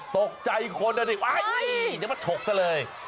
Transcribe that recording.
ตกใจคนอ่ะดิว้ายเดี๋ยวมันฉกซะเลย